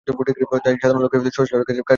তাই সাধারণ লোকে রাতে শ্মশানের কাছে যেতে চান না।